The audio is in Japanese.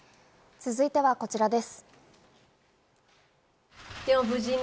続いては、こちらです。